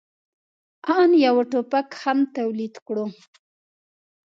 آن یو ټوپک هم تولید کړو.